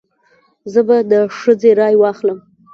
زه به د ښځې رای واخلم.